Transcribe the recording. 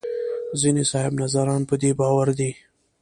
ځینې صاحب نظران په دې باور دي.